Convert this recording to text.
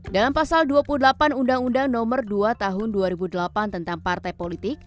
dalam pasal dua puluh delapan undang undang nomor dua tahun dua ribu delapan tentang partai politik